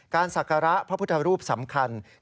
ศักระพระพุทธรูปสำคัญ